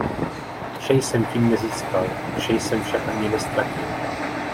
Vše jsem tím nezískal, vše jsem však ani neztratil.